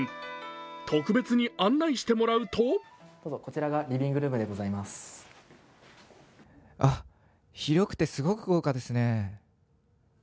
特別に案内してもらうと広くてすごく豪華ですね。